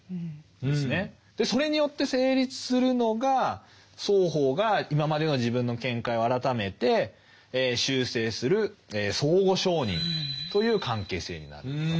それによって成立するのが双方が今までの自分の見解を改めて修正する「相互承認」という関係性になるわけです。